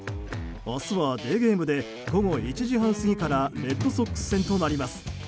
明日はデーゲームで午後１時半過ぎからレッドソックス戦となります。